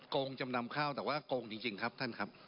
งงจำนำข้าวแต่ว่าโกงจริงครับท่านครับ